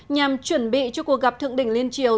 nhằm chuẩn bị cho cuộc gặp thượng đỉnh liên triều